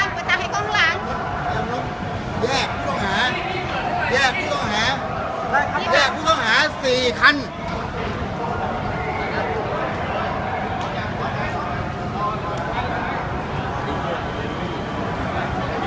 เปิดทางเปิดทางเปิดทางให้ฉันข้างหลัง